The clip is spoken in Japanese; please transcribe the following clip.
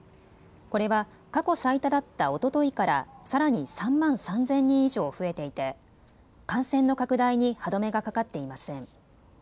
これは過去最多だったおとといからさらに３万３０００人以上増えていて感染の拡大に歯止めがかかっていません。